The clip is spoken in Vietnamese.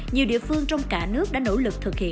nhiều địa phương trong cả nước đã nỗ lực